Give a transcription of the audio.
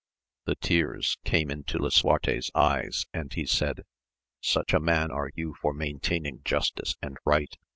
The tears came into Lisuarte's eyes, and he said, Such a man are you for maintaining justice and right